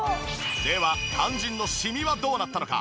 では肝心のシミはどうなったのか？